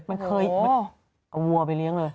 มันเคยเอาวัวไปเลี้ยงเลย